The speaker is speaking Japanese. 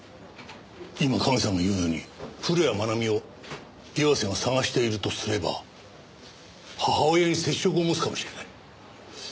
今カメさんが言うように古谷愛美を岩瀬が捜しているとすれば母親に接触を持つかもしれない。